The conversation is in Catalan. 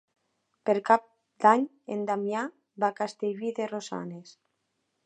Per Cap d'Any en Damià va a Castellví de Rosanes.